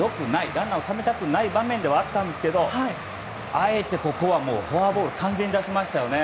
ランナーをためたくはない場面だったんですけどあえて、ここはフォアボールを完全に出しましたよね。